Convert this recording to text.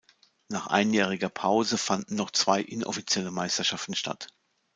Nach einjähriger Pause fanden noch zwei inoffizielle Meisterschaften statt.